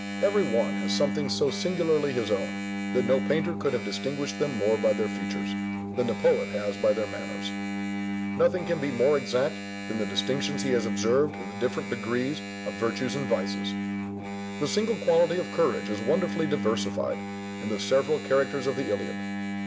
Every one has something so singularly his own, that no painter could have distinguished them more by their features, than the poet has by their manners. Nothing can be more exact than the distinctions he has observed in the different degrees of virtues and vices. The single quality of courage is wonderfully diversified in the several characters of the Iliad.